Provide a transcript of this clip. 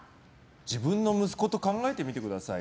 自分の息子と考えてみてください。